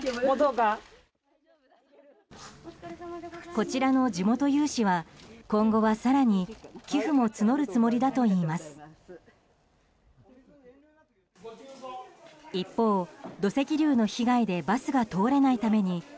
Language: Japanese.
こちらの地元有志は今後は更に寄付も募るつもりだといいます。